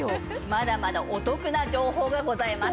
まだまだお得な情報がございます。